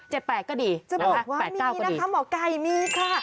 บอกว่าไม่มีนะคะหมอไก่มีค่ะ